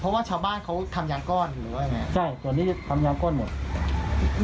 เพราะว่าชาวบ้านเขาทำยางก้อนอยู่หรือว่ายังไงใช่ตัวนี้ทำยางก้อนหมด